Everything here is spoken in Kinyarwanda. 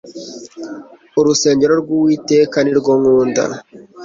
urusengero rw uwiteka nirwo nkunda